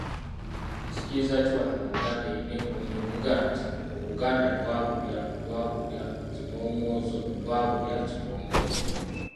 "Nzikiriza ki wano mu Buganda erina engoma evuga nti “Obuganda twabulya, twabulya kimomozo, twabulya kimomozo”?"